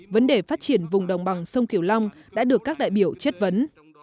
vấn đề phát triển vùng đồng bằng sông kiều long đã được các đại biểu chất vấn